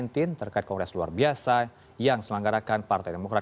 terkait kongres luar biasa yang selanggarakan partai demokrat